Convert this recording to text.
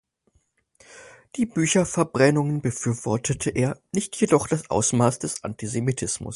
Die Bücherverbrennungen befürwortete er, nicht jedoch das Ausmaß des Antisemitismus.